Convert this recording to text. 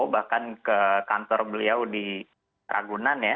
bahkan ke kantor beliau di ragunan ya